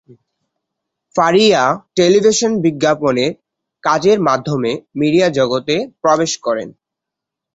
Faria television বিজ্ঞাপনে কাজের মাধ্যমে মিডিয়া জগতে প্রবেশ করেন।